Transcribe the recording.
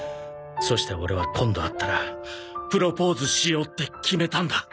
そしてオレは今度会ったらプロポーズしようって決めたんだ。